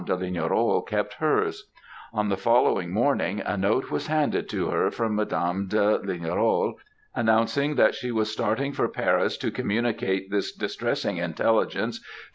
de Lignerolles kept hers. On the following morning, a note was handed to her from Mdme. de L., announcing that she was starting for Paris to communicate this distressing intelligence to M.